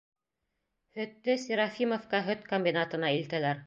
Һөттө Серафимовка һөт комбинатына илтәләр.